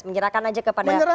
menyerahkan aja kepada